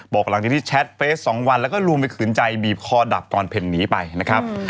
หลังจากที่แชทเฟส๒วันแล้วก็ลวงไปขืนใจบีบคอดับก่อนเพ่นหนีไปนะครับ